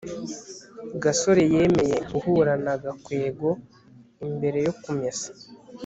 gasore yemeye guhura na gakwego imbere yo kumesa